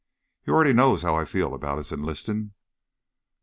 He already knows how I feel about his enlistin'."